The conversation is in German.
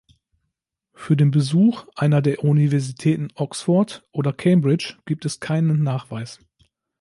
Für den Besuch einer der Universitäten Oxford oder Cambridge gibt es keinen Nachweis.